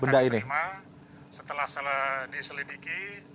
kami terima setelah diselidiki